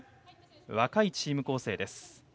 若いチーム構成です。